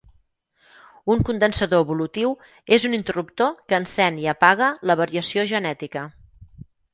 Un condensador evolutiu és un interruptor que encén i apaga la variació genètica.